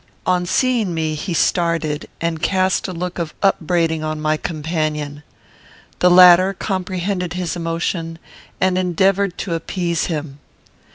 On seeing me he started, and cast a look of upbraiding on my companion. The latter comprehended his emotion, and endeavoured to appease him.